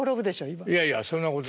いやいやそんなことないです。